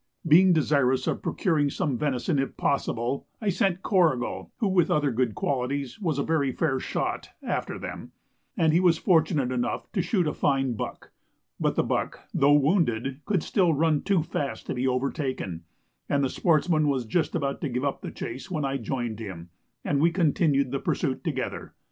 Being desirous of procuring some venison if possible, I sent Corrigal (who, with other good qualities, was a very fair shot) after them, and he was fortunate enough to shoot a fine buck. But the buck, though wounded, could still run too fast to be overtaken, and the sportsman was just about to give up the chase when I joined him, and we continued the pursuit together.